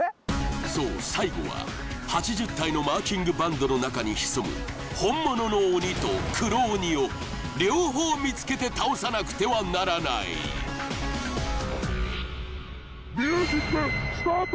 そう最後は８０体のマーチングバンドの中に潜む本物の鬼と黒鬼を両方見つけて倒さなくてはならないミュージックスタート！